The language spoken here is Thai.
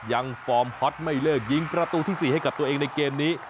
ฟอร์มฮอตไม่เลิกยิงประตูที่๔ให้กับตัวเองในเกมนี้